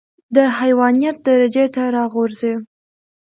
د حيوانيت درجې ته راغورځي.